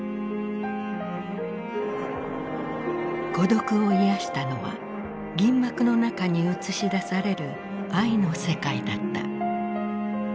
孤独を癒やしたのは銀幕の中に映し出される愛の世界だった。